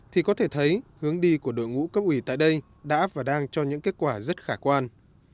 thì có thể thấy hướng đi của đội ngũ cấp ủy tại đây đã và đang cho những kết quả rất khả quan